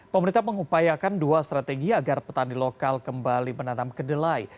pemerintah mengupayakan dua strategi agar petani lokal kembali menanam kedelai